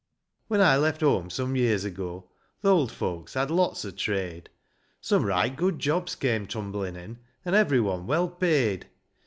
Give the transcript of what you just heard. When I left home some years ago, Th' old folks had lots o' trade ; Some right good jobs came tumbling in, And every one well paid.